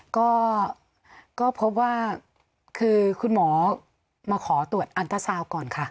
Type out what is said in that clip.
ก็พบว่าคือคุณหมอมาขอตรวจอันตราซาวน์ก่อนค่ะ